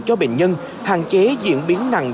của bệnh nhân hạn chế diễn biến nặng